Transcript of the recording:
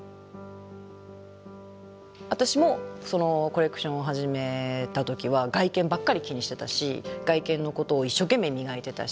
私もコレクションを始めた時は外見ばっかり気にしてたし外見のことを一生懸命磨いてたし。